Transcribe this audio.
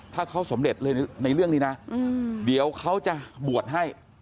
ถ้าเขาสำเร็จเลยในเรื่องนี้นะเดี๋ยวเขาจะบวชให้